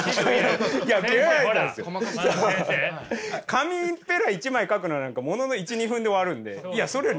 紙ペラ１枚描くのなんかものの１２分で終わるんでいやそれより内容を。